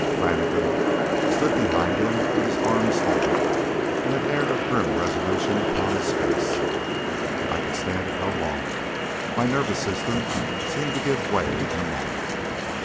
Flannigan stood behind with his arms folded, and an air of grim resolution upon his face. I could stand it no longer. My nervous system seemed to give way in a moment.